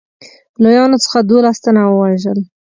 لویانو څخه دوولس تنه ووژل.